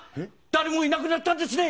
誰もいなくなったんですね。